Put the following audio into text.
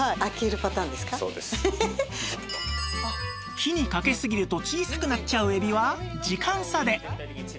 火にかけすぎると小さくなっちゃう海老は時間差で